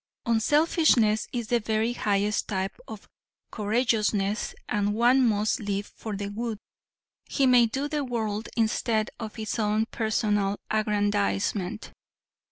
Unselfishness is the very highest type of courageousness and one must live for the good he may do the world instead of his own personal aggrandizement.